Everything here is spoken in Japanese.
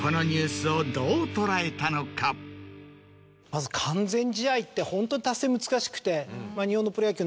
まず完全試合ってホントに達成難しくて。